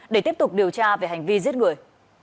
để tiếp tục điều tra về hành vi giết người